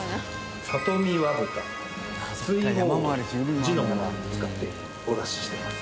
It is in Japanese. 里見和豚水郷鶏地のものを使ってお出ししてます。